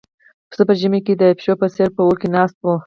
پسه په ژمي کې د پيشو په څېر په اور کې ناست و.